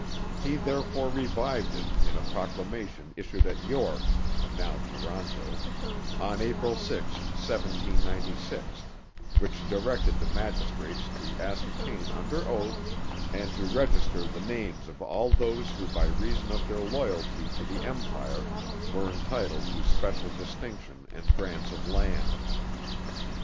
He therefore revived it in a proclamation issued at York (now Toronto), on April 6, 1796, which directed the magistrates to ascertain under oath and to register the names of all those who by reason of their loyalty to the Empire were entitled to special distinction and grants of land.